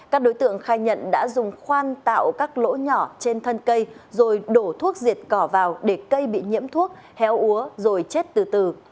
các đối tượng khai nhận đã dùng khoan tạo các lỗ nhỏ trên thân cây rồi đổ thuốc diệt cỏ vào để cây bị nhiễm thuốc héo úa rồi chết từ từ